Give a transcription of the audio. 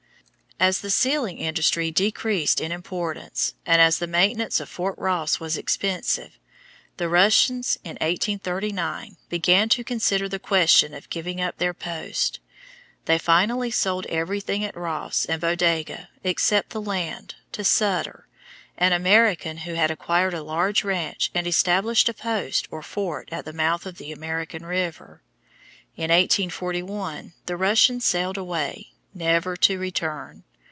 As the sealing industry decreased in importance, and as the maintenance of Fort Ross was expensive, the Russians in 1839 began to consider the question of giving up their post. They finally sold everything at Ross and Bodega, except the land, to Sutter, an American who had acquired a large ranch and established a post or fort at the mouth of the American River. In 1841 the Russians sailed away, never to return.